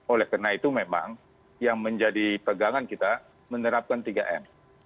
oleh karena itu memang yang menjadi pegangan kita menerapkan tiga m